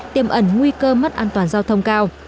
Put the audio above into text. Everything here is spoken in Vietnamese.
tiêm ẩn nguy cơ mất an toàn giao thông cao